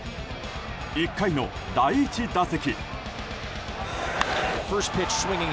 １回の第１打席。